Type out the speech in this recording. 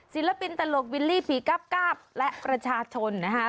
ศิลปินตลกวินลี่ผีกล้าบกล้าบและประชาชนนะฮะ